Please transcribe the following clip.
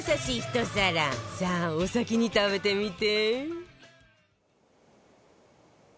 さあお先に食べてみて